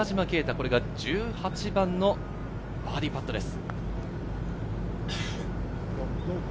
これが１８番のバーディーパットです。